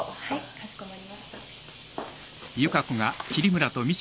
かしこまりました。